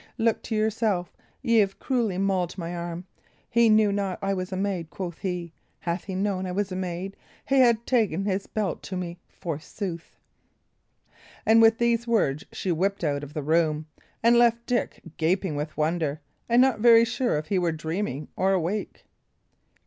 Look to yourself; y' 'ave cruelly mauled my arm. He knew not I was a maid, quoth he! Had he known I was a maid, he had ta'en his belt to me, forsooth!" And with these words, she whipped out of the room and left Dick gaping with wonder, and not very sure if he were dreaming or awake.